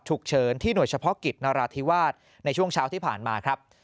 ฉุกเฉินที่หน่วยเฉพาะกิจนราธิวาสในช่วงเช้าที่ผ่านมาครับ